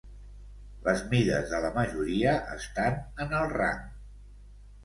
Les mides de la majoria estan en el rang.